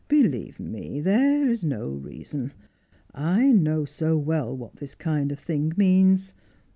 ' Believe me, there is no reason. I know so well what this kind of thing means.